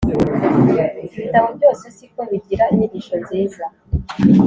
ibitabo byose si ko bigira inyigisho nziza